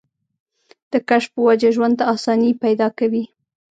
د کشف پۀ وجه ژوند ته اسانۍ پېدا کوي